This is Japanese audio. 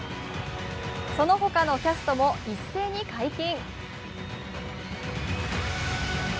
その他のキャストも一斉に解禁。